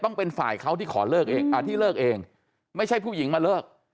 ต้องเป็นฝ่ายเขาที่ขอเลิกเองอ่าที่เลิกเองไม่ใช่ผู้หญิงมาเลิก